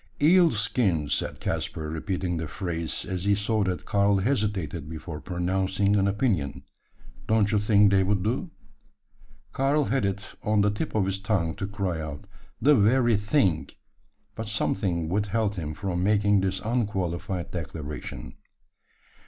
"Eel skins," said Caspar, repeating the phrase, as he saw that Karl hesitated before pronouncing an opinion. "Don't you think they would do?" Karl had it on the tip of his tongue to cry out "The very thing!" but something withheld him from making this unqualified declaration.